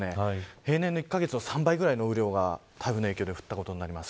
平年の１カ月の３倍くらいの雨量が台風の影響で降っています。